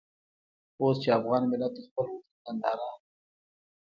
اوس چې افغان ملت د خپل وجود ننداره.